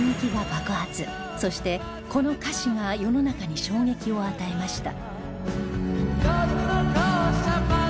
そしてこの歌詞が世の中に衝撃を与えました